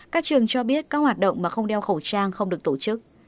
các trường cho biết các hoạt động mà không đeo khẩu trang không được tổ chức